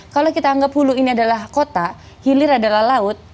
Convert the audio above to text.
kalau kita anggap hulu ini adalah kota hilir adalah laut